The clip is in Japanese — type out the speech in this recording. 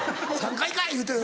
「３回かい」